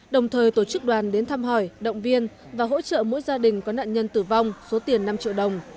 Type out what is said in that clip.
đồng thời tổ chức đoàn đến thăm hỏi động viên và hỗ trợ mỗi gia đình có nạn nhân tử vong số tiền năm triệu đồng